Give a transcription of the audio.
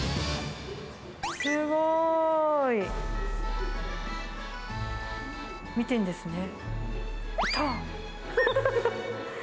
すごい。見てるんですね。